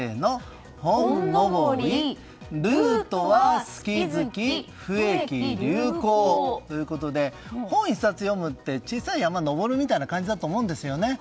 「本登り訳は好き好き不易流行」ということで本１冊読むって小さい山を登るみたいな感じだと思うんですよね。